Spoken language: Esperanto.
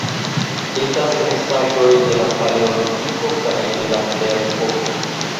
Estas restaĵoj de la Paleolitiko kaj de la Ferepoko.